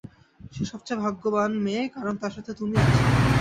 সে সবচেয়ে ভাগ্যবান মেয়ে কারণ তার সাথে তুমি আছো।